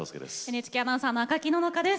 ＮＨＫアナウンサーの赤木野々花です。